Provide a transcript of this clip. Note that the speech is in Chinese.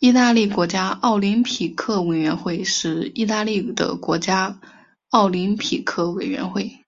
意大利国家奥林匹克委员会是意大利的国家奥林匹克委员会。